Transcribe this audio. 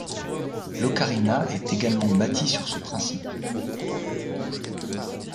L'ocarina est également bâti sur ce principe.